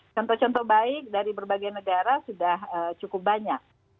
contoh contoh baik dari berbagai negara sudah cukup banyak